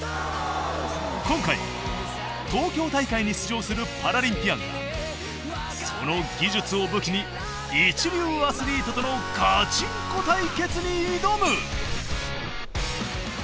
今回東京大会に出場するパラリンピアンがその技術を武器に一流アスリートとのガチンコ対決に挑む！